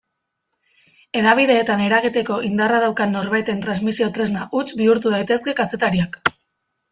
Hedabideetan eragiteko indarra daukan norbaiten transmisio-tresna huts bihur daitezke kazetariak.